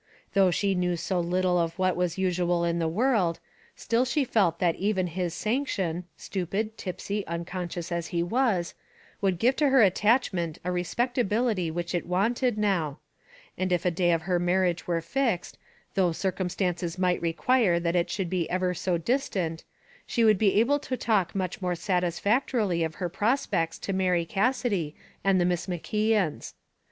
Though she knew so little of what was usual in the world, still she felt that even his sanction, stupid, tipsy, unconscious as he was, would give to her attachment a respectability which it wanted now; and if a day for her marriage were fixed, though circumstances might require that it should be ever so distant, she would be able to talk much more satisfactorily of her prospects to Mary Cassidy, and the Miss McKeons.